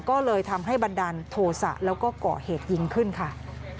ก็เลยทำให้บันดาลโทษะแล้วก็ก่อเหตุยิงขึ้นค่ะ